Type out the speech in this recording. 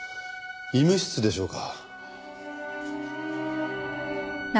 医務室でしょうか？